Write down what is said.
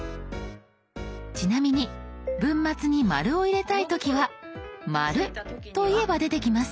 ちなみに文末に「。」を入れたい時は「まる」と言えば出てきます。